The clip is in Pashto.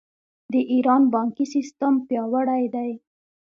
د ایران بانکي سیستم پیاوړی دی.